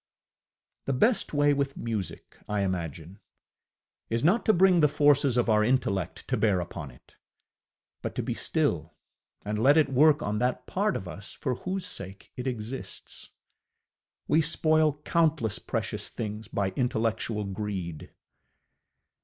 The best way with music, I imagine, is not to bring the forces of our intellect to bear upon it, but to be still and let it work on that part of us for whose sake it exists. We spoil countless precious things by intellectual greed.